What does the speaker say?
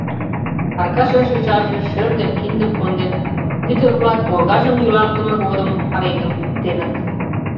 — Аркашын шӱжарже шӧр ден киндым конден, ӱдыр-влак, оргажым йӱлалтыме годым, пареҥгым кӱктеныт.